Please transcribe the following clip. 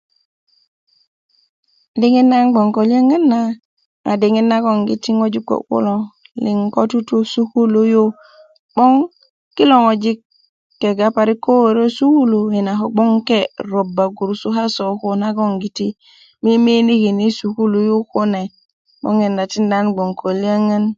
diŋit nan 'n bgoŋ ko liyöŋön na diŋit nagon ko ŋojik kuwe ko tutu i sukulu yu 'boŋ kilo ŋojik kega parik ko wöwöro i sukulu yi na kobgoŋ 'n ke roba grusu nagongiti miminiki i sukulu yu kune 'boŋ yina tinda nan bgoŋ ko liyöŋö